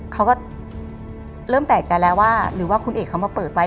เขาก็เริ่มแปลกใจแล้วว่าหรือว่าคุณเอกเขามาเปิดไว้